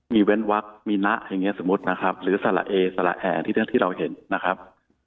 มีเว้นวักมีนะอย่างนี้สมมุตินะครับหรือสละเอสละแอร์ที่เราเห็นนะครับ